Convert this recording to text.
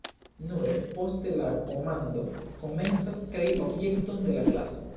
Nure poste la komando komencas krei objekton de la klaso.